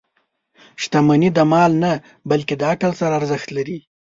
• شتمني د مال نه، بلکې د عقل سره ارزښت لري.